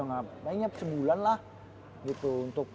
makanya sebulan lah gitu